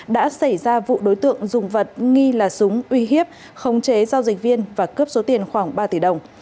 đã xảy ra vụ đối tượng dùng vật nghi là súng uy hiếp khống chế giao dịch viên và cướp số tiền khoảng ba tỷ đồng